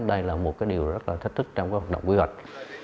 đây là một điều rất thách thức trong hợp động quy hoạch